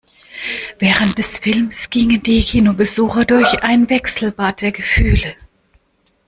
Während des Films gingen die Kinobesucher durch ein Wechselbad der Gefühle.